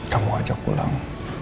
kamu ajak pulang